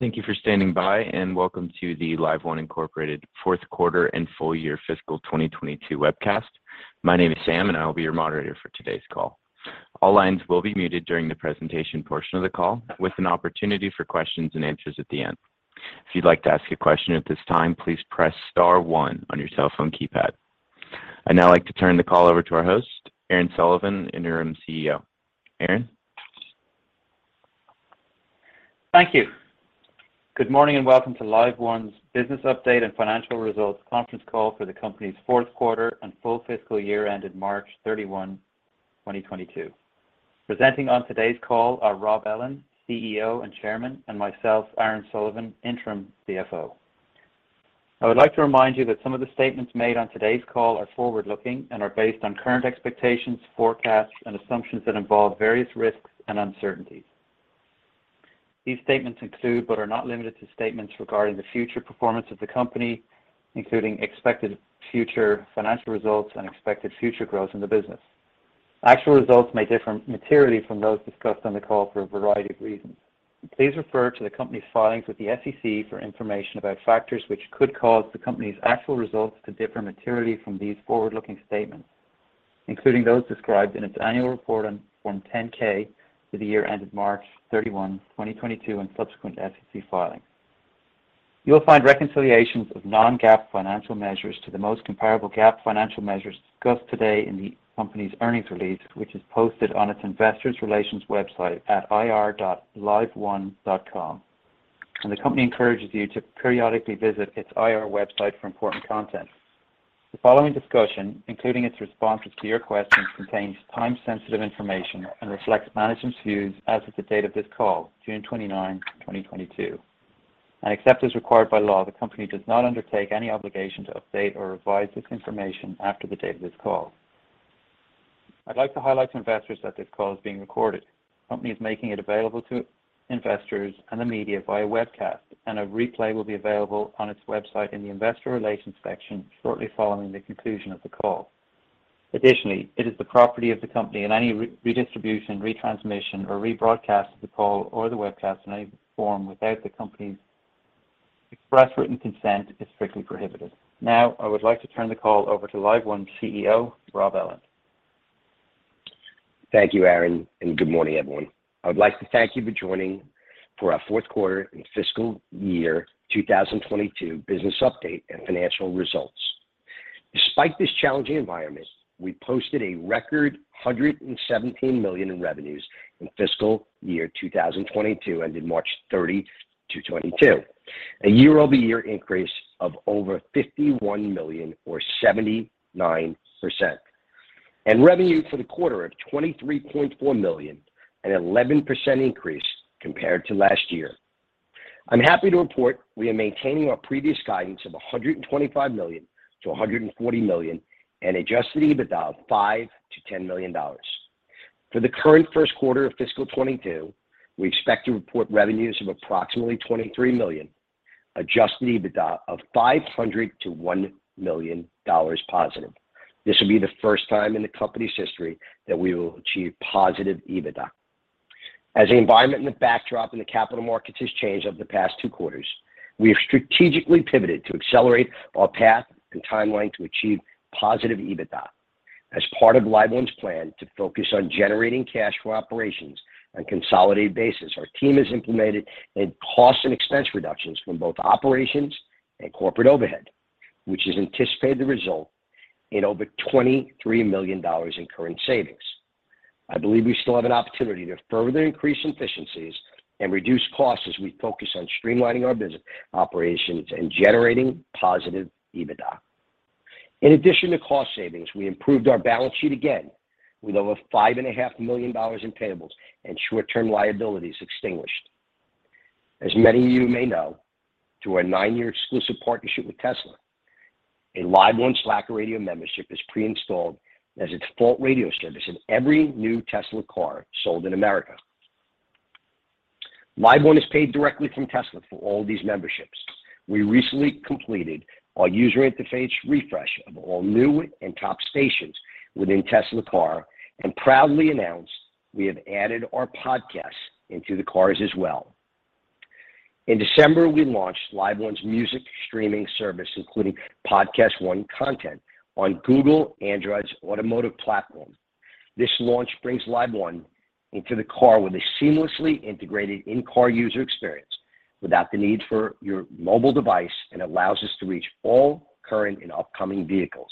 Thank you for standing by, and welcome to the LiveOne Incorporated Fourth Quarter and Full Year Fiscal 2022 Webcast. My name is Sam, and I will be your moderator for today's call. All lines will be muted during the presentation portion of the call, with an opportunity for questions and answers at the end. If you'd like to ask a question at this time, please press star one on your cell phone keypad. I'd now like to turn the call over to our host, Aaron Sullivan, Interim CFO. Aaron? Thank you. Good morning, and welcome to LiveOne's Business Update and Financial Results Conference Call for the company's Fourth Quarter and Full Fiscal Year Ended March 31, 2022. Presenting on today's call are Rob Ellin, Chairman and CEO, and myself, Aaron Sullivan, Interim CFO. I would like to remind you that some of the statements made on today's call are forward-looking and are based on current expectations, forecasts, and assumptions that involve various risks and uncertainties. These statements include, but are not limited to, statements regarding the future performance of the company, including expected future financial results and expected future growth in the business. Actual results may differ materially from those discussed on the call for a variety of reasons. Please refer to the company's filings with the SEC for information about factors which could cause the company's actual results to differ materially from these forward-looking statements, including those described in its annual report on Form 10-K for the year ended March 31, 2022, and subsequent SEC filings. You'll find reconciliations of non-GAAP financial measures to the most comparable GAAP financial measures discussed today in the company's earnings release, which is posted on its investor relations website at ir.liveone.com. The company encourages you to periodically visit its IR website for important content. The following discussion, including its responses to your questions, contains time-sensitive information and reflects management's views as of the date of this call, June 29, 2022. Except as required by law, the company does not undertake any obligation to update or revise this information after the date of this call. I'd like to highlight to investors that this call is being recorded. The company is making it available to investors and the media via webcast, and a replay will be available on its website in the investor relations section shortly following the conclusion of the call. Additionally, it is the property of the company, and any re-redistribution, retransmission, or rebroadcast of the call or the webcast in any form without the company's express written consent is strictly prohibited. Now, I would like to turn the call over to LiveOne CEO, Rob Ellin. Thank you, Aaron, and good morning, everyone. I would like to thank you for joining for our Fourth Quarter and Fiscal Year 2022 Business Update and Financial Results. Despite this challenging environment, we posted a record $117 million in revenues in fiscal year 2022, ended March 30, 2022. Year-over-year increase of over $51 million or 79%. Revenue for the quarter of $23.4 million, an 11% increase compared to last year. I'm happy to report we are maintaining our previous guidance of $125 million-$140 million and adjusted EBITDA of $5 million-$10 million. For the current first quarter of fiscal 2023, we expect to report revenues of approximately $23 million, adjusted EBITDA of $500,000-$1 million positive. This will be the first time in the company's history that we will achieve positive EBITDA. As the environment and the backdrop in the capital markets has changed over the past two quarters, we have strategically pivoted to accelerate our path and timeline to achieve positive EBITDA. As part of LiveOne's plan to focus on generating cash for operations on a consolidated basis, our team has implemented a cost and expense reductions from both operations and corporate overhead, which has anticipated the result in over $23 million in current savings. I believe we still have an opportunity to further increase efficiencies and reduce costs as we focus on streamlining our operations and generating positive EBITDA. In addition to cost savings, we improved our balance sheet again with over $5.5 million in payables and short-term liabilities extinguished. As many of you may know, through our nine-year exclusive partnership with Tesla, a LiveOne Slacker Radio membership is pre-installed as a default radio service in every new Tesla car sold in America. LiveOne is paid directly from Tesla for all these memberships. We recently completed our user interface refresh of all new and top stations within Tesla cars and proudly announced we have added our podcasts into the cars as well. In December, we launched LiveOne's music streaming service, including PodcastOne content on Google Android's automotive platform. This launch brings LiveOne into the car with a seamlessly integrated in-car user experience without the need for your mobile device and allows us to reach all current and upcoming vehicles.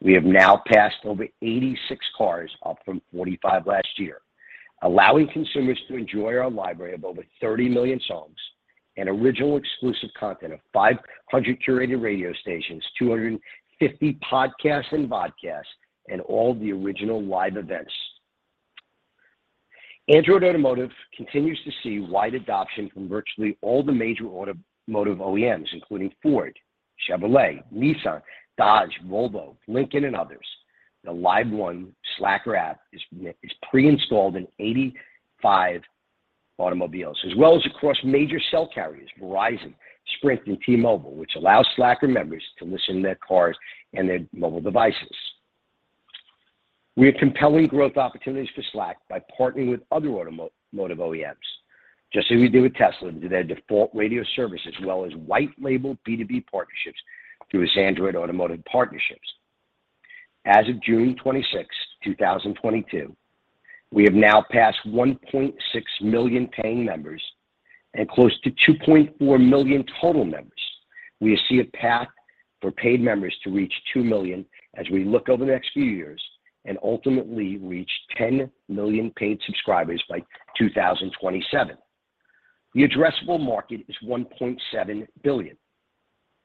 We have now passed over 86 cars, up from 45 last year, allowing consumers to enjoy our library of over 30 million songs and original exclusive content of 500 curated radio stations, 250 podcasts and vodcasts, and all the original live events. Android Automotive continues to see wide adoption from virtually all the major automotive OEMs, including Ford, Chevrolet, Nissan, Dodge, Volvo, Lincoln, and others. The LiveOne Slacker app is pre-installed in 85 automobiles as well as across major cell carriers, Verizon, Sprint, and T-Mobile, which allows Slacker members to listen in their cars and their mobile devices. We have compelling growth opportunities for Slacker by partnering with other automotive OEMs, just as we do with Tesla through their default radio service, as well as white label B2B partnerships through its Android automotive partnerships. As of June 26, 2022, we have now passed 1.6 million paying members and close to 2.4 million total members. We see a path for paid members to reach two million as we look over the next few years and ultimately reach 10 million paid subscribers by 2027. The addressable market is 1.7 billion.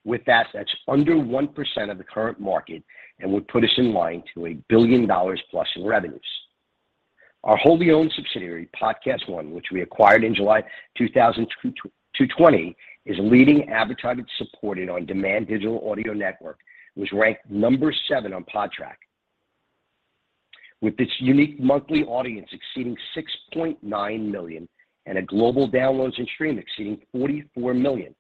With that's under 1% of the current market and would put us in line to $1 billion plus in revenues. Our wholly owned subsidiary, PodcastOne, which we acquired in July 2020, is a leading advertising supported on-demand digital audio network, which ranked number seven on Podtrac. With its unique monthly audience exceeding 6.9 million and a global downloads and stream exceeding 44 million.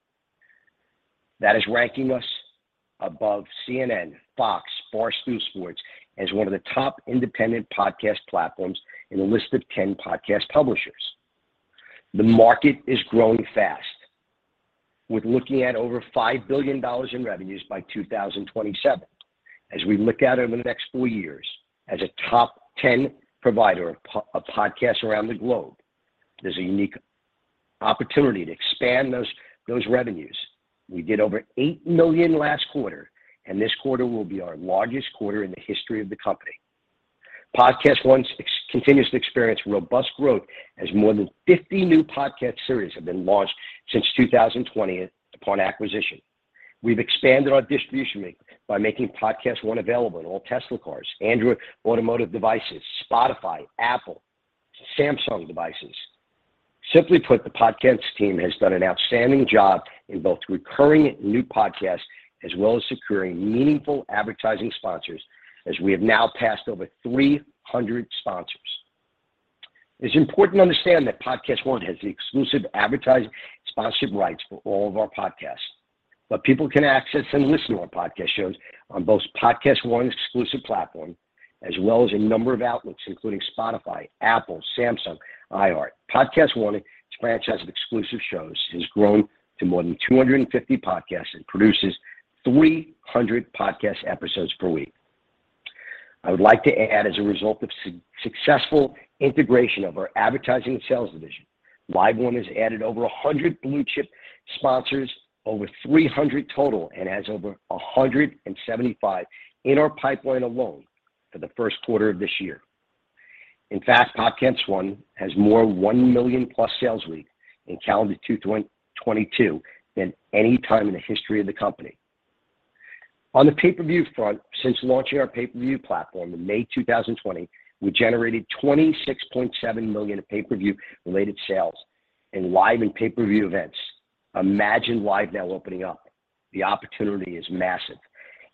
That is ranking us above CNN, Fox, Barstool Sports as one of the top independent podcast platforms in a list of 10 podcast publishers. The market is growing fast, looking at over $5 billion in revenues by 2027. As we look out over the next four years as a top 10 provider of podcasts around the globe, there's a unique opportunity to expand those revenues. We did over $8 million last quarter, and this quarter will be our largest quarter in the history of the company. PodcastOne continues to experience robust growth as more than 50 new podcast series have been launched since 2020 upon acquisition. We've expanded our distribution by making PodcastOne available in all Tesla cars, Android Automotive devices, Spotify, Apple, Samsung devices. Simply put, the Podcast team has done an outstanding job in both recurring new podcasts as well as securing meaningful advertising sponsors as we have now passed over 300 sponsors. It's important to understand that PodcastOne has the exclusive advertising sponsorship rights for all of our podcasts, but people can access and listen to our podcast shows on both PodcastOne's exclusive platform as well as a number of outlets, including Spotify, Apple, Samsung, iHeart. PodcastOne's franchise of exclusive shows has grown to more than 250 podcasts and produces 300 podcast episodes per week. I would like to add, as a result of successful integration of our advertising and sales division, LiveOne has added over 100 blue-chip sponsors, over 300 total, and has over 175 in our pipeline alone for the first quarter of this year. In fact, PodcastOne has more than one million-plus sales week in calendar 2022 than any time in the history of the company. On the pay-per-view front, since launching our pay-per-view platform in May 2020, we generated $26.7 million in pay-per-view related sales in live and pay-per-view events. Imagine live now opening up. The opportunity is massive.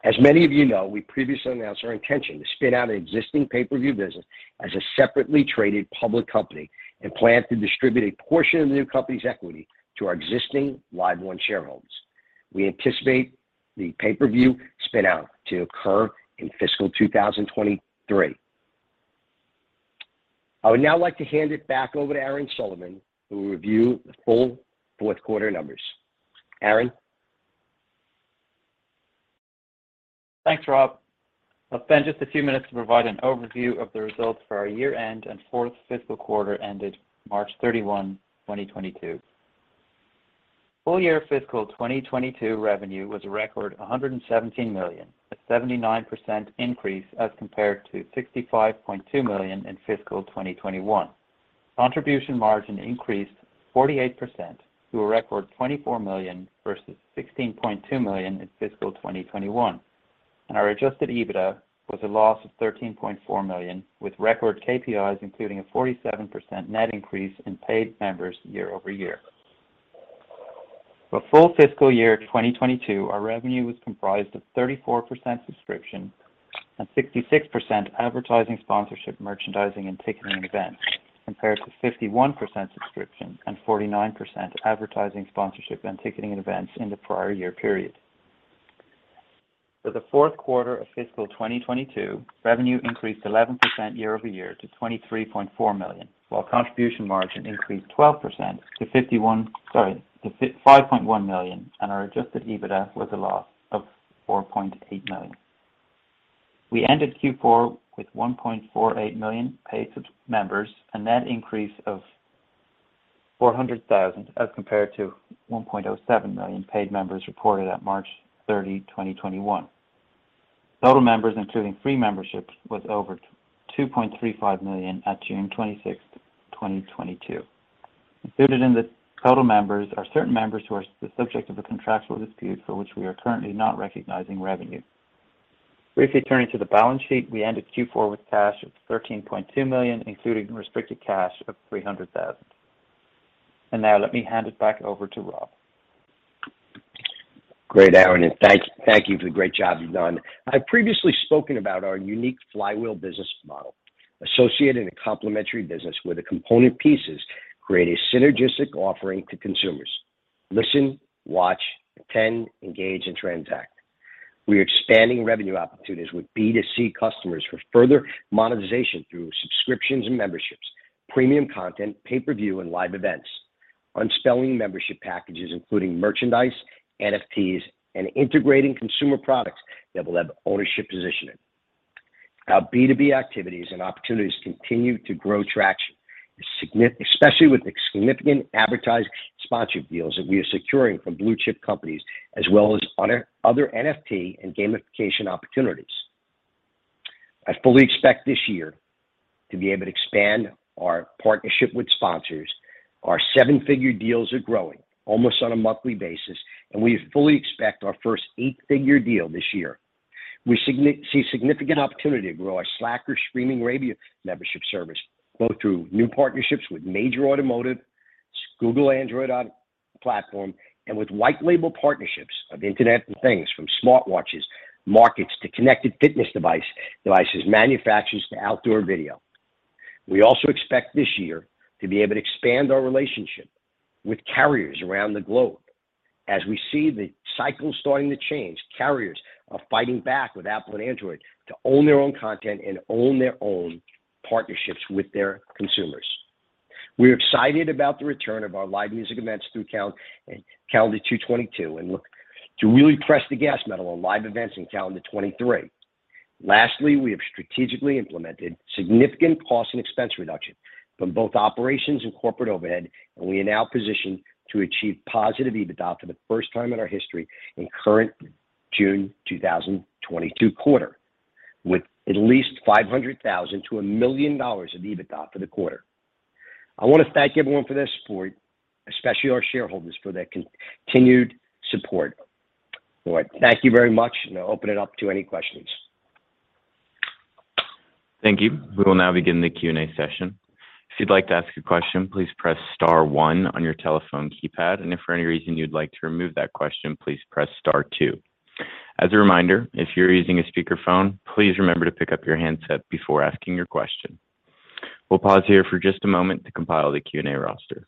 As many of you know, we previously announced our intention to spin out an existing pay-per-view business as a separately traded public company and plan to distribute a portion of the new company's equity to our existing LiveOne shareholders. We anticipate the pay-per-view spin out to occur in fiscal 2023. I would now like to hand it back over to Aaron Sullivan, who will review the full fourth quarter numbers. Aaron? Thanks, Rob. I'll spend just a few minutes to provide an overview of the results for our year-end and fourth fiscal quarter ended March 31, 2022. Full year fiscal 2022 revenue was a record $117 million, a 79% increase as compared to $65.2 million in fiscal 2021. Contribution margin increased 48% to a record $24 million versus $16.2 million in fiscal 2021. Our adjusted EBITDA was a loss of $13.4 million, with record KPIs including a 47% net increase in paid members year-over-year. For full fiscal year 2022, our revenue was comprised of 34% subscription and 66% advertising, sponsorship, merchandising, and ticketing events, compared to 51% subscription and 49% advertising, sponsorship, and ticketing events in the prior year period. For the fourth quarter of fiscal 2022, revenue increased 11% year-over-year to $23.4 million, while contribution margin increased 12% to $5.1 million, and our adjusted EBITDA was a loss of $4.8 million. We ended Q4 with 1.48 million paid members, a net increase of 400,000 as compared to 1.07 million paid members reported at March 30, 2021. Total members, including free memberships, was over 2.35 million at June 26, 2022. Included in the total members are certain members who are the subject of a contractual dispute for which we are currently not recognizing revenue. Briefly turning to the balance sheet, we ended Q4 with cash of $13.2 million, including restricted cash of $300,000. Now let me hand it back over to Rob. Great, Aaron, and thank you for the great job you've done. I've previously spoken about our unique flywheel business model associated in a complementary business where the component pieces create a synergistic offering to consumers. Listen, watch, attend, engage, and transact. We are expanding revenue opportunities with B2C customers for further monetization through subscriptions and memberships, premium content, pay-per-view, and live events, upselling membership packages, including merchandise, NFTs, and integrating consumer products that will have ownership positioning. Our B2B activities and opportunities continue to gain traction, especially with the significant advertising sponsorship deals that we are securing from blue chip companies as well as other NFT and gamification opportunities. I fully expect this year to be able to expand our partnership with sponsors. Our seven-figure deals are growing almost on a monthly basis, and we fully expect our first eight-figure deal this year. We see significant opportunity to grow our Slacker streaming radio membership service, both through new partnerships with major automotive Google Android platform, and with white label partnerships for Internet of Things from smartwatches markets to connected fitness devices manufacturers to outdoor video. We also expect this year to be able to expand our relationship with carriers around the globe. As we see the cycle starting to change, carriers are fighting back with Apple and Android to own their own content and own their own partnerships with their consumers. We're excited about the return of our live music events through calendar 2022, and look to really press the gas pedal on live events in calendar 2023. Lastly, we have strategically implemented significant cost and expense reduction from both operations and corporate overhead, and we are now positioned to achieve positive EBITDA for the first time in our history in current June 2022 quarter, with at least $500,000-$1 million of EBITDA for the quarter. I wanna thank everyone for their support, especially our shareholders for their continued support. All right. Thank you very much, and I'll open it up to any questions. Thank you. We will now begin the Q&A session. If you'd like to ask a question, please press star one on your telephone keypad. If for any reason you'd like to remove that question, please press star two. As a reminder, if you're using a speakerphone, please remember to pick up your handset before asking your question. We'll pause here for just a moment to compile the Q&A roster.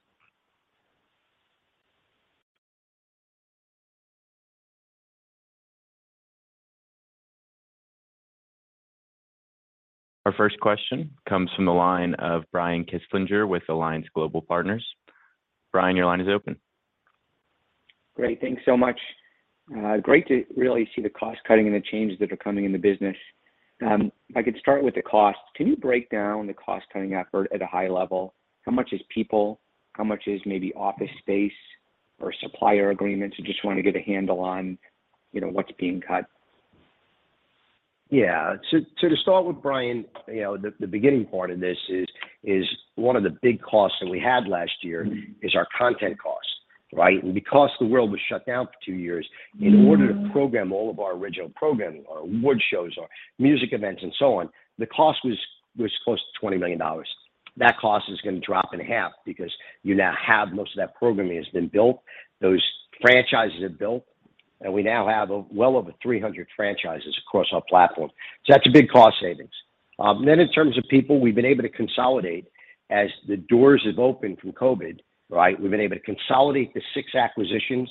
Our first question comes from the line of Brian Kinstlinger with Alliance Global Partners. Brian, your line is open. Great. Thanks so much. Great to really see the cost cutting and the changes that are coming in the business. If I could start with the cost. Can you break down the cost-cutting effort at a high level? How much is people? How much is maybe office space or supplier agreements? I just wanna get a handle on, you know, what's being cut. Yeah. To start with, Brian, you know, the beginning part of this is one of the big costs that we had last year. Mm-hmm Is our content costs, right? Because the world was shut down for two years. Mm-hmm In order to program all of our original programming, our award shows, our music events and so on, the cost was close to $20 million. That cost is gonna drop in half because you now have most of that programming has been built, those franchises are built, and we now have well over 300 franchises across our platform. That's a big cost savings. In terms of people, we've been able to consolidate as the doors have opened from COVID, right? We've been able to consolidate the six acquisitions,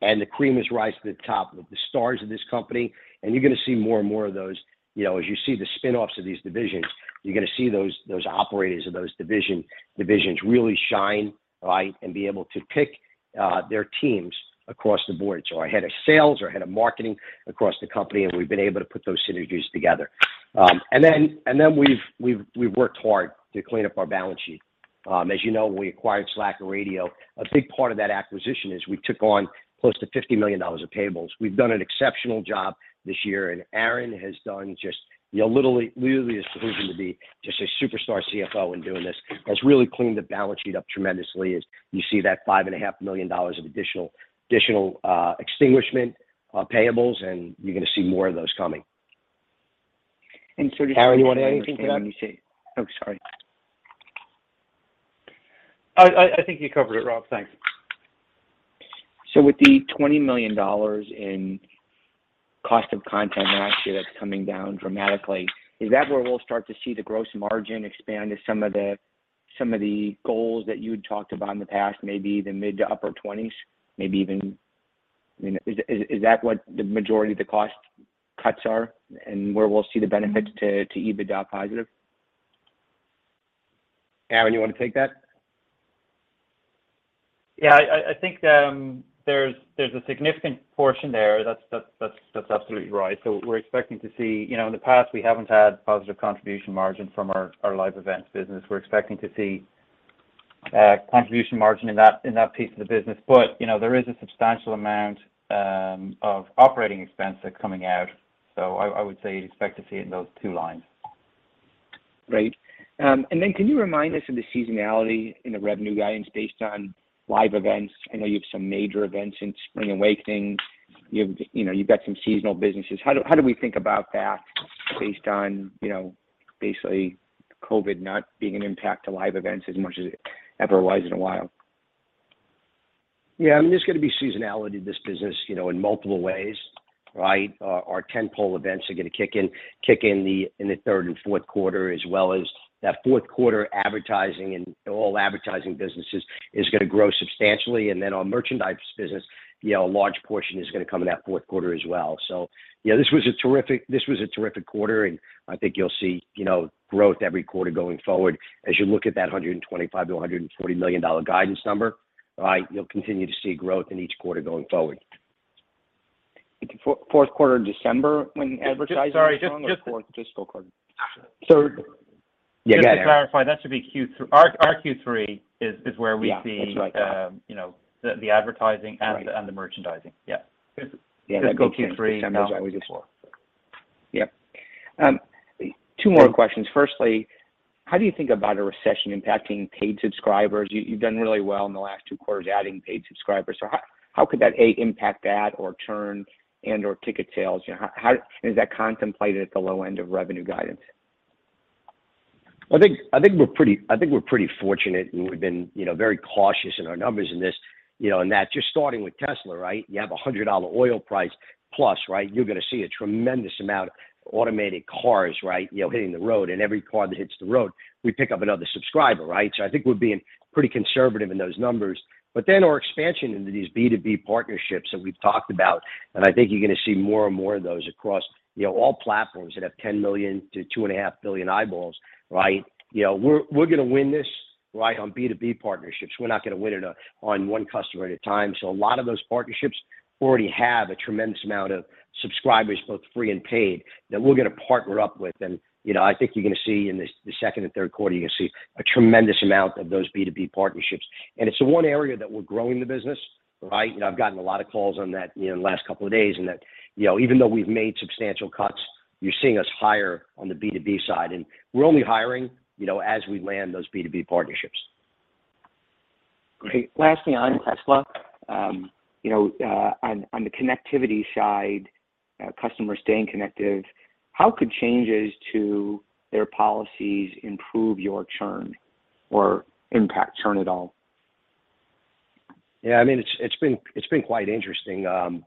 and the cream has rise to the top with the stars of this company, and you're gonna see more and more of those. You know, as you see the spinoffs of these divisions, you're gonna see those operators of those divisions really shine, right, and be able to pick their teams across the board. Our head of sales or head of marketing across the company, and we've been able to put those synergies together. We've worked hard to clean up our balance sheet. As you know, we acquired Slacker Radio. A big part of that acquisition is we took on close to $50 million of payables. We've done an exceptional job this year, and Aaron has done just, you know, literally a solution to be just a superstar CFO in doing this. Has really cleaned the balance sheet up tremendously as you see that $5.5 million of additional extinguishment of payables, and you're gonna see more of those coming. Just so I understand what you said. Aaron, you wanna add anything to that? Oh, sorry. I think you covered it, Rob. Thanks. With the $20 million in cost of content next year that's coming down dramatically, is that where we'll start to see the gross margin expand to some of the goals that you had talked about in the past, maybe the mid- to upper-20s%, maybe even. I mean, is that what the majority of the cost cuts are and where we'll see the benefit to EBITDA positive? Aaron, you wanna take that? Yeah. I think there's a significant portion there. That's absolutely right. We're expecting to see. You know, in the past, we haven't had positive contribution margin from our live events business. We're expecting to see contribution margin in that piece of the business. You know, there is a substantial amount of operating expense that are coming out. I would say you'd expect to see it in those two lines. Great. Can you remind us of the seasonality in the revenue guidance based on live events? I know you have some major events in Spring Awakening. You have, you know, you've got some seasonal businesses. How do we think about that based on, you know, basically COVID not being an impact to live events as much as it ever was in a while? Yeah. I mean, there's gonna be seasonality to this business, you know, in multiple ways. Right? Our tentpole events are gonna kick in the third and fourth quarter, as well as that fourth quarter advertising and all advertising businesses is gonna grow substantially. Our merchandise business, you know, a large portion is gonna come in that fourth quarter as well. Yeah, this was a terrific quarter, and I think you'll see, you know, growth every quarter going forward as you look at that $125-$140 million guidance number, right? You'll continue to see growth in each quarter going forward. The fourth quarter in December when advertising comes on. Sorry, just. Just go ahead. Yeah, go ahead, Aaron. Just to clarify, that should be Q3. Our Q3 is where we see. Yeah, that's right. You know, the advertising and the merchandising. Yeah. Yeah, that's Q3. December's always. Yeah. Two more questions. Firstly, how do you think about a recession impacting paid subscribers? You've done really well in the last two quarters adding paid subscribers. How could that impact that or churn and/or ticket sales? You know, how is that contemplated at the low end of revenue guidance? I think we're pretty fortunate, and we've been, you know, very cautious in our numbers in this, you know, in that just starting with Tesla, right? You have a $100 oil price plus, right? You're gonna see a tremendous amount of automated cars, right, you know, hitting the road. Every car that hits the road, we pick up another subscriber, right? I think we're being pretty conservative in those numbers. Our expansion into these B2B partnerships that we've talked about, and I think you're gonna see more and more of those across, you know, all platforms that have 10 million-2.5 billion eyeballs, right? You know, we're gonna win this, right, on B2B partnerships. We're not gonna win it on one customer at a time. A lot of those partnerships already have a tremendous amount of subscribers, both free and paid, that we're gonna partner up with. You know, I think you're gonna see in the second and third quarter, you're gonna see a tremendous amount of those B2B partnerships. It's the one area that we're growing the business, right? I've gotten a lot of calls on that, you know, in the last couple of days, and that, you know, even though we've made substantial cuts, you're seeing us hire on the B2B side. We're only hiring, you know, as we land those B2B partnerships. Great. Lastly on Tesla, you know, on the connectivity side, customers staying connected, how could changes to their policies improve your churn or impact churn at all? Yeah, I mean, it's been quite interesting.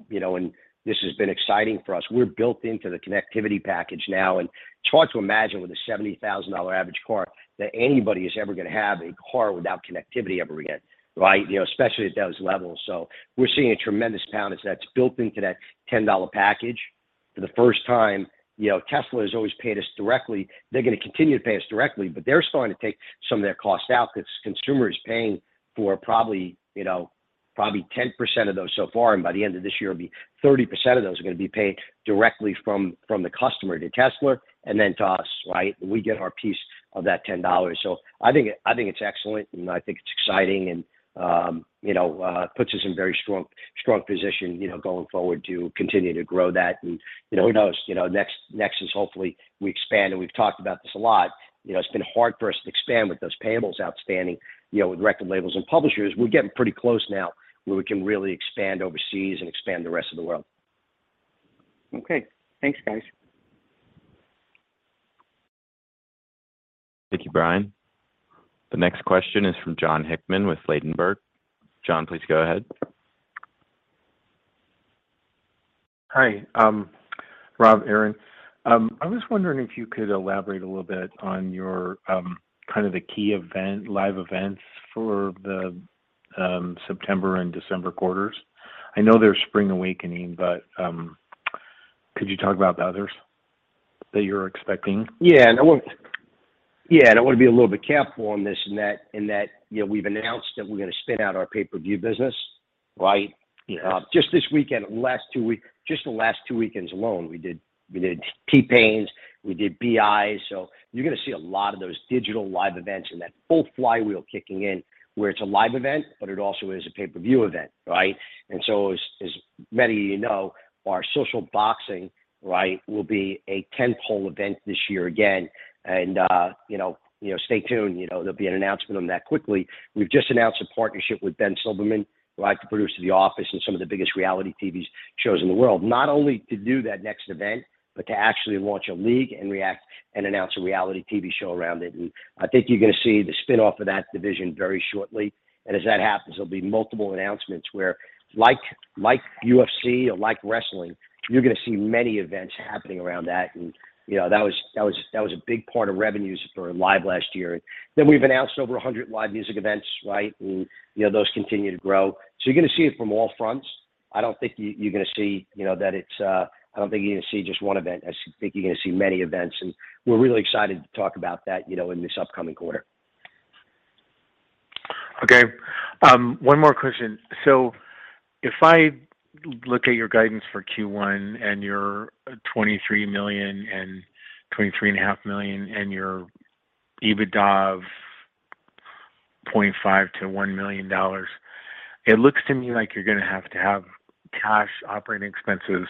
You know, this has been exciting for us. We're built into the connectivity package now, and it's hard to imagine with a $70,000 average car that anybody is ever gonna have a car without connectivity ever again, right? You know, especially at those levels. We're seeing a tremendous upside as that's built into that $10 package for the first time. You know, Tesla has always paid us directly. They're gonna continue to pay us directly, but they're starting to take some of their cost out 'cause consumers are paying for probably, you know, probably 10% of those so far, and by the end of this year, it'll be 30% of those are gonna be paid directly from the customer to Tesla and then to us, right? We get our piece of that $10. I think it's excellent, and I think it's exciting and, you know, puts us in very strong position, you know, going forward to continue to grow that. You know, who knows? You know, next is hopefully we expand, and we've talked about this a lot. You know, it's been hard for us to expand with those payables outstanding, you know, with record labels and publishers. We're getting pretty close now where we can really expand overseas and expand the rest of the world. Okay. Thanks, guys. Thank you, Brian. The next question is from Jon Hickman with Ladenburg. Jon, please go ahead. Hi, Rob, Aaron. I was wondering if you could elaborate a little bit on your kind of the key event, live events for the September and December quarters. I know there's Spring Awakening, but could you talk about the others that you're expecting? Yeah. No, yeah, and I wanna be a little bit careful on this in that, you know, we've announced that we're gonna spin out our pay-per-view business, right? Yeah. Just the last two weekends alone, we did T-Pain's, we did BI, so you're gonna see a lot of those digital live events and that full flywheel kicking in, where it's a live event, but it also is a pay-per-view event, right? Many of you know, our social boxing, right, will be a tentpole event this year again. You know, stay tuned. You know, there'll be an announcement on that quickly. We've just announced a partnership with Ben Silverman, who produced The Office and some of the biggest reality TV shows in the world, not only to do that next event, but to actually launch a league and create and announce a reality TV show around it. I think you're gonna see the spin-off of that division very shortly. As that happens, there'll be multiple announcements where like UFC or like wrestling, you're gonna see many events happening around that. You know, that was a big part of revenues for Live last year. We've announced over 100 live music events, right? You know, those continue to grow. You're gonna see it from all fronts. I don't think you're gonna see just one event. I think you're gonna see many events, and we're really excited to talk about that, you know, in this upcoming quarter. Okay. One more question. If I look at your guidance for Q1 and your $23 million and $23.5 million and your EBITDA of $0.5-$1 million, it looks to me like you're gonna have to have cash operating expenses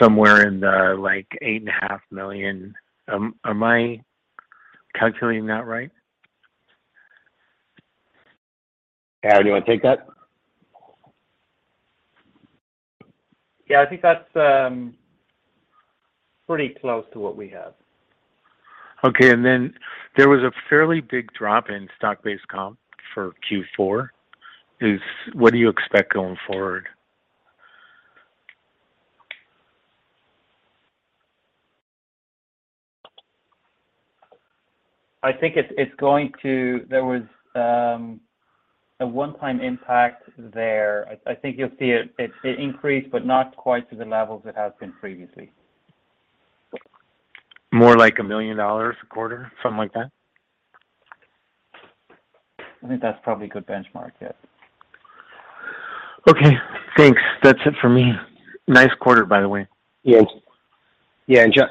somewhere in the, like, $8.5 million. Am I calculating that right? Aaron, do you wanna take that? Yeah. I think that's. Pretty close to what we have. Okay. There was a fairly big drop in stock-based comp for Q4. What do you expect going forward? I think it's going to. There was a one-time impact there. I think you'll see it increase, but not quite to the levels it has been previously. More like $1 million a quarter, something like that? I think that's probably a good benchmark, yeah. Okay, thanks. That's it for me. Nice quarter, by the way. Yeah,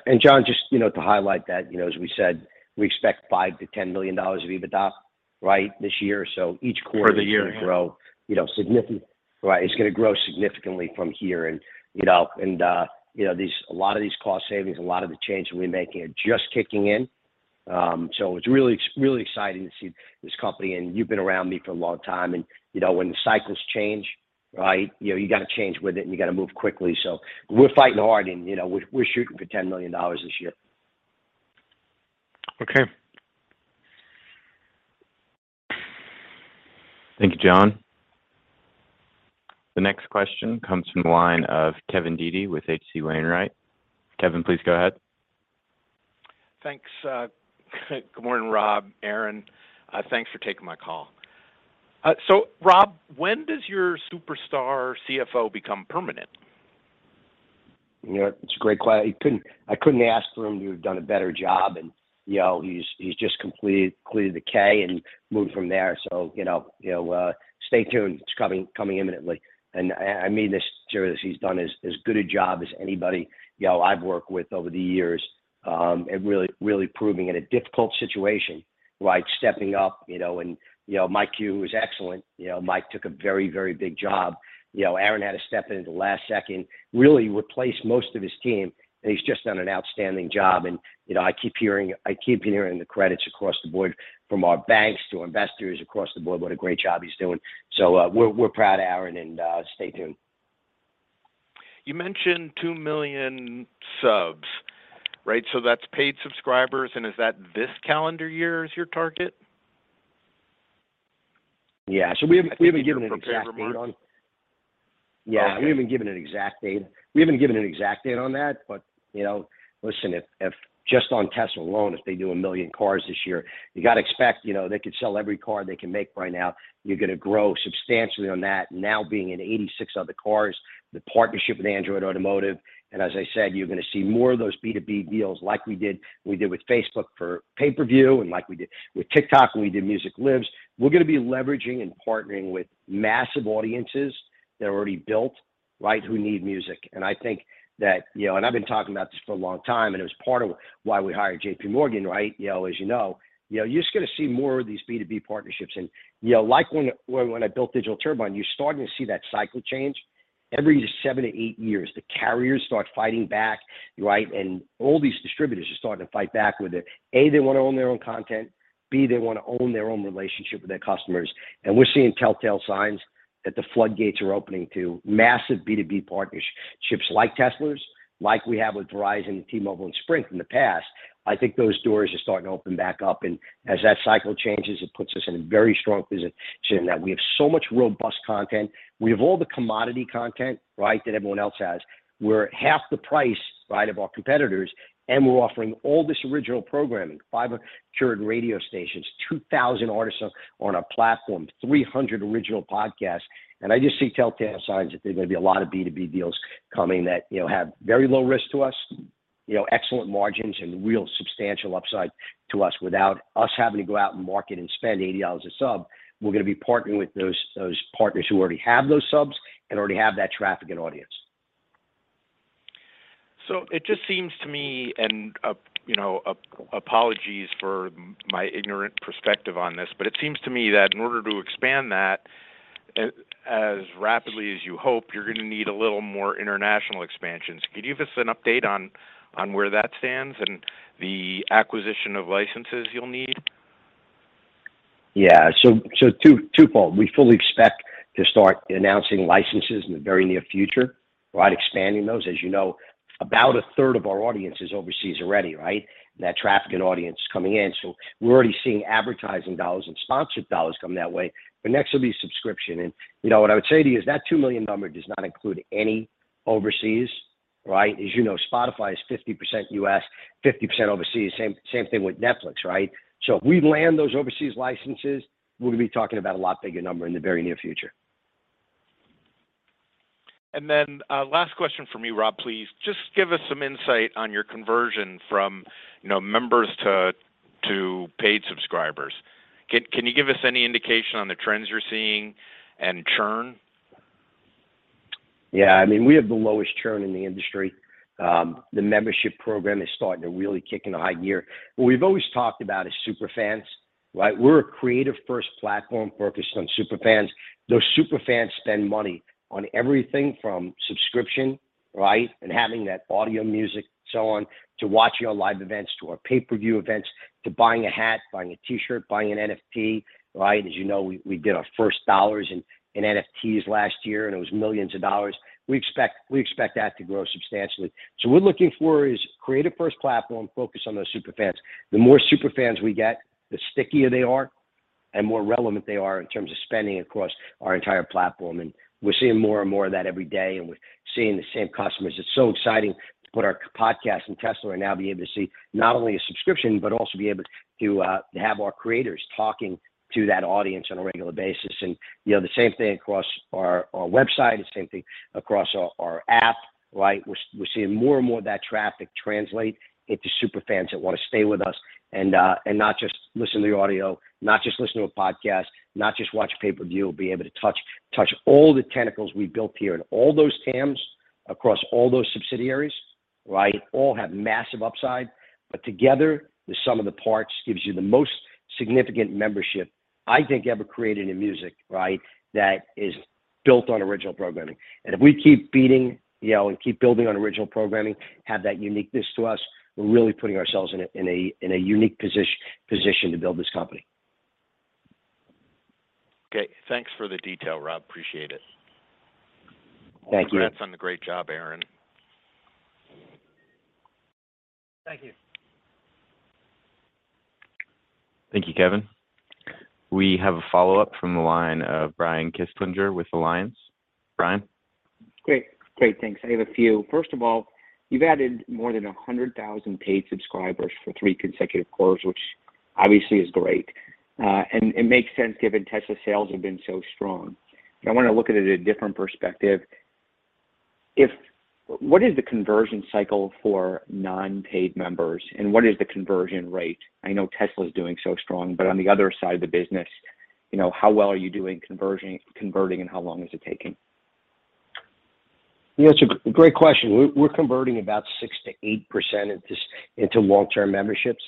and John, just, you know, to highlight that, you know, as we said, we expect $5 million-$10 million of EBITDA, right, this year. Each quarter. For the year. It's gonna grow, you know. It's gonna grow significantly from here and, you know. A lot of these cost savings, a lot of the changes we're making are just kicking in. It's really exciting to see this company. You've been around me for a long time and, you know, when the cycles change, right, you know, you gotta change with it and you gotta move quickly. We're fighting hard and, you know, we're shooting for $10 million this year. Okay. Thank you, John. The next question comes from the line of Kevin Dede with H.C. Wainwright. Kevin, please go ahead. Thanks. Good morning, Rob, Aaron. Thanks for taking my call. Rob, when does your superstar CFO become permanent? You know, I couldn't ask for him to have done a better job and, you know, he's just completed the 10-K and moved from there, so, you know, stay tuned. It's coming imminently. I mean this seriously. He's done as good a job as anybody, you know, I've worked with over the years at really proving in a difficult situation, right, stepping up, you know. Mike Q was excellent. You know, Mike took a very big job. You know, Aaron had to step in at the last second, really replace most of his team, and he's just done an outstanding job. You know, I keep hearing the credit across the board from our banks to investors across the board what a great job he's doing. We're proud of Aaron and stay tuned. You mentioned two million subs, right? That's paid subscribers, and is that this calendar year is your target? Yeah. We haven't given an exact date on- I think you had prepared remarks. Yeah. We haven't given an exact date on that. But, you know, listen, if just on Tesla alone, if they do one million cars this year, you gotta expect, you know, they could sell every car they can make right now. You're gonna grow substantially on that. Now being in 86 other cars, the partnership with Android Automotive, and as I said, you're gonna see more of those B2B deals like we did with Facebook for pay-per-view and like we did with TikTok when we did Music Lives. We're gonna be leveraging and partnering with massive audiences that are already built, right, who need music. I think that you know, and I've been talking about this for a long time, and it was part of why we hired J.P. Morgan, right? You know, as you know. You know, you're just gonna see more of these B2B partnerships. You know, like when I built Digital Turbine, you're starting to see that cycle change. Every seven to eight years, the carriers start fighting back, right? All these distributors are starting to fight back with it. A, they wanna own their own content, B, they wanna own their own relationship with their customers. We're seeing telltale signs that the floodgates are opening to massive B2B partnerships like Tesla's, like we have with Verizon and T-Mobile and Sprint in the past. I think those doors are starting to open back up, and as that cycle changes, it puts us in a very strong position that we have so much robust content. We have all the commodity content, right, that everyone else has. We're at half the price, right, of our competitors, and we're offering all this original programming, five in-car radio stations, 2,000 artists on our platform, 300 original podcasts. I just see telltale signs that there may be a lot of B2B deals coming that, you know, have very low risk to us, you know, excellent margins and real substantial upside to us without us having to go out and market and spend $80 a sub. We're gonna be partnering with those partners who already have those subs and already have that traffic and audience. It just seems to me, and, you know, apologies for my ignorant perspective on this, but it seems to me that in order to expand that as rapidly as you hope, you're gonna need a little more international expansions. Can you give us an update on where that stands and the acquisition of licenses you'll need? Yeah. Twofold. We fully expect to start announcing licenses in the very near future, right? Expanding those. As you know, about a third of our audience is overseas already, right? That traffic and audience coming in. We're already seeing advertising dollars and sponsored dollars come that way, but next will be subscription. You know, what I would say to you is that two million number does not include any overseas, right? As you know, Spotify is 50% U.S., 50% overseas. Same thing with Netflix, right? If we land those overseas licenses, we're gonna be talking about a lot bigger number in the very near future. Last question from me, Rob, please. Just give us some insight on your conversion from, you know, members to paid subscribers. Can you give us any indication on the trends you're seeing and churn? Yeah. I mean, we have the lowest churn in the industry. The membership program is starting to really kick into high gear. What we've always talked about is super fans, right? We're a creative first platform focused on super fans. Those super fans spend money on everything from subscription, right, and having that audio music, so on, to watching our live events, to our pay-per-view events, to buying a hat, buying a T-shirt, buying an NFT, right? As you know, we did our first dollars in NFTs last year, and it was $ millions. We expect that to grow substantially. What we're looking for is creative first platform focused on those super fans. The more super fans we get, the stickier they are and more relevant they are in terms of spending across our entire platform. We're seeing more and more of that every day, and we're seeing the same customers. It's so exciting to put our podcast in Tesla and now be able to see not only a subscription, but also be able to have our creators talking to that audience on a regular basis. You know, the same thing across our website, the same thing across our app, right? We're seeing more and more of that traffic translate into super fans that wanna stay with us and not just listen to the audio, not just listen to a podcast, not just watch pay-per-view. Be able to touch all the tentacles we've built here and all those TAMs across all those subsidiaries, right? All have massive upside, but together, the sum of the parts gives you the most significant membership I think ever created in music, right? That is built on original programming. If we keep betting, you know, and keep building on original programming, have that uniqueness to us, we're really putting ourselves in a unique position to build this company. Okay. Thanks for the detail, Rob. Appreciate it. Thank you. Congrats on the great job, Aaron. Thank you. Thank you, Kevin. We have a follow-up from the line of Brian Kinstlinger with Alliance. Brian? Great. Thanks. I have a few. First of all, you've added more than 100,000 paid subscribers for three consecutive quarters, which obviously is great. It makes sense given Tesla sales have been so strong. I wanna look at it from a different perspective. What is the conversion cycle for non-paid members, and what is the conversion rate? I know Tesla's doing so strong, but on the other side of the business, you know, how well are you doing conversion, converting, and how long is it taking? Yeah, it's a great question. We're converting about 6%-8% of this into long-term memberships,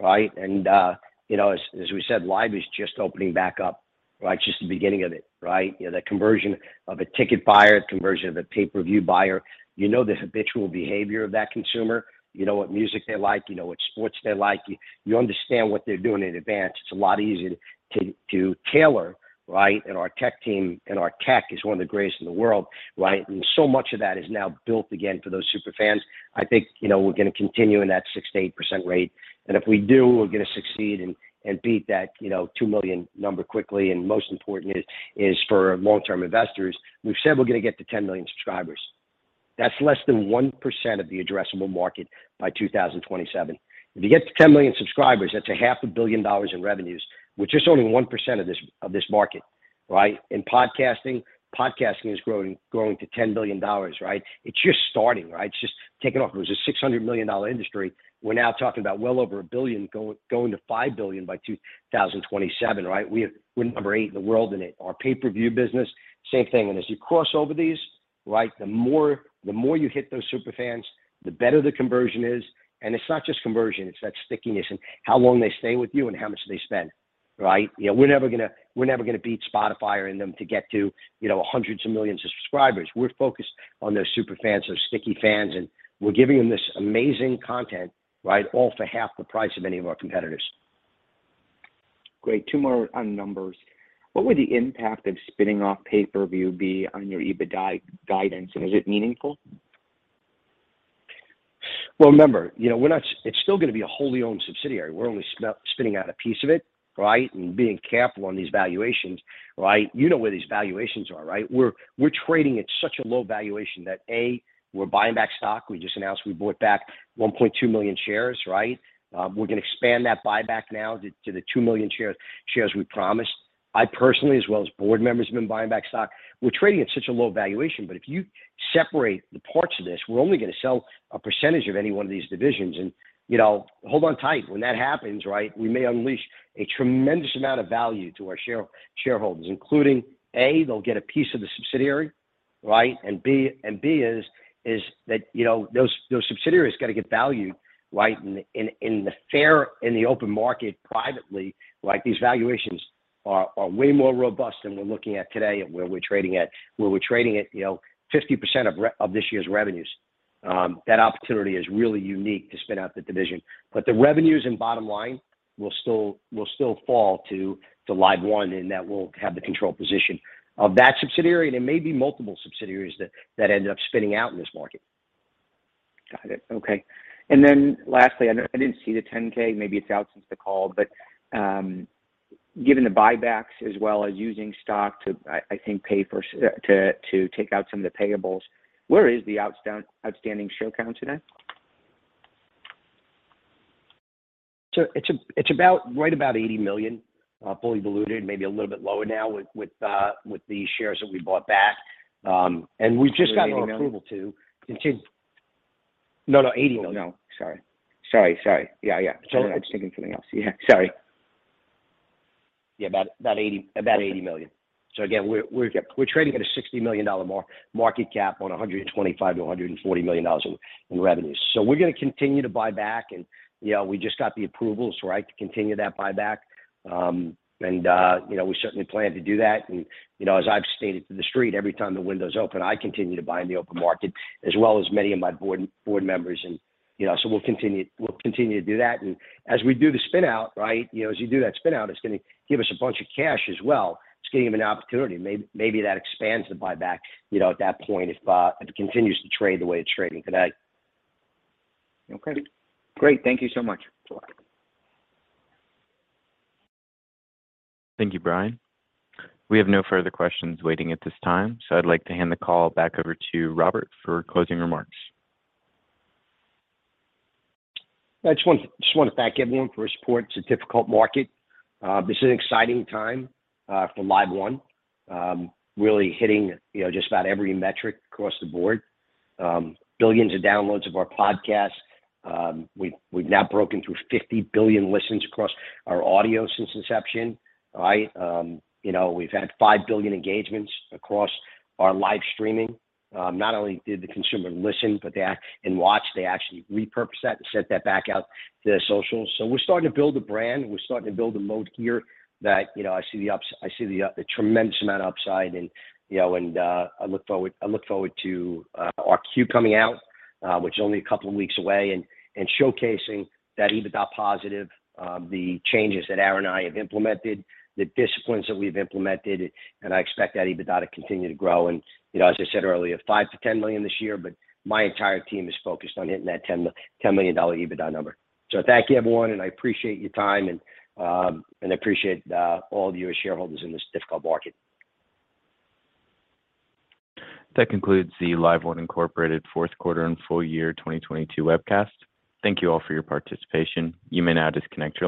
right? You know, as we said, Live is just opening back up, right? Just the beginning of it, right? You know, the conversion of a ticket buyer, conversion of a pay-per-view buyer, you know the habitual behavior of that consumer. You know what music they like, you know what sports they like. You understand what they're doing in advance. It's a lot easier to tailor, right? Our tech team and our tech is one of the greatest in the world, right? So much of that is now built again for those super fans. I think, you know, we're gonna continue in that 6%-8% rate. If we do, we're gonna succeed and beat that, you know, two million number quickly. Most important is for long-term investors. We've said we're gonna get to 10 million subscribers. That's less than 1% of the addressable market by 2027. If you get to 10 million subscribers, that's half a billion dollars in revenues, which is only 1% of this market, right? In podcasting is growing to $10 billion, right? It's just starting, right? It's just taking off. It was a $600 million industry. We're now talking about well over $1 billion going to $5 billion by 2027, right? We're number eight in the world in it. Our pay-per-view business, same thing. As you cross over these, right? The more you hit those super fans, the better the conversion is. It's not just conversion, it's that stickiness and how long they stay with you and how much they spend, right? You know, we're never gonna beat Spotify or anything to get to, you know, hundreds of millions of subscribers. We're focused on those super fans, those sticky fans, and we're giving them this amazing content, right? All for half the price of many of our competitors. Great. Two more on numbers. What would the impact of spinning off pay-per-view be on your EBITDA guidance, and is it meaningful? Well, remember, you know, we're not. It's still gonna be a wholly owned subsidiary. We're only spinning out a piece of it, right? Being careful on these valuations, right? You know where these valuations are, right? We're trading at such a low valuation that, A, we're buying back stock. We just announced we bought back 1.2 million shares, right? We're gonna expand that buyback now to the two million shares we promised. I personally, as well as board members, have been buying back stock. We're trading at such a low valuation. If you separate the parts of this, we're only gonna sell a percentage of any one of these divisions. You know, hold on tight. When that happens, right, we may unleash a tremendous amount of value to our shareholders, including, A, they'll get a piece of the subsidiary, right? B is that, you know, those subsidiaries gotta get valued, right? In the fair open market privately, like these valuations are way more robust than we're looking at today and where we're trading at. Where we're trading at, you know, 50% of this year's revenues. That opportunity is really unique to spin out the division. The revenues and bottom line will still fall to LiveOne, and that will have the control position of that subsidiary, and it may be multiple subsidiaries that end up spinning out in this market. Got it. Okay. Then lastly, I didn't see the 10-K. Maybe it's out since the call, but given the buybacks as well as using stock to pay to take out some of the payables, where is the outstanding share count today? It's about right about 80 million fully diluted, maybe a little bit lower now with the shares that we bought back. We've just gotten approval to- $80 million? No, $80 million. Oh, no. Sorry. Yeah. It's all right. I'm just thinking of something else. Yeah, sorry. Yeah, about $80 million. Again, we're trading at a $60 million market cap on $125 million-$140 million in revenues. We're gonna continue to buy back and, you know, we just got the approvals, right, to continue that buyback. You know, we certainly plan to do that. You know, as I've stated to the street, every time the window's open, I continue to buy in the open market, as well as many of my board members. You know, we'll continue to do that. As we do the spin out, right, you know, as you do that spin out, it's gonna give us a bunch of cash as well. It's giving them an opportunity. Maybe that expands the buyback, you know, at that point if it continues to trade the way it's trading today. Okay, great. Thank you so much. Sure. Thank you, Brian. We have no further questions waiting at this time, so I'd like to hand the call back over to Robert for closing remarks. I just wanna thank everyone for your support. It's a difficult market. This is an exciting time for LiveOne. Really hitting, you know, just about every metric across the board. Billions of downloads of our podcasts. We've now broken through 50 billion listens across our audio since inception, right? You know, we've had five billion engagements across our live streaming. Not only did the consumer listen, but they and watch, they actually repurpose that and sent that back out to their socials. We're starting to build a brand. We're starting to build a moat here that, you know, I see the up. I see the tremendous amount of upside and, you know, and I look forward to our Q coming out, which is only a couple of weeks away, and showcasing that EBITDA positive, the changes that Aaron and I have implemented, the disciplines that we've implemented, and I expect that EBITDA to continue to grow. You know, as I said earlier, $5 million-$10 million this year, but my entire team is focused on hitting that $10 million EBITDA number. Thank you, everyone, and I appreciate your time and appreciate all you as shareholders in this difficult market. That concludes the LiveOne Incorporated Fourth Quarter and Full Year 2022 Webcast. Thank you all for your participation. You may now disconnect your lines.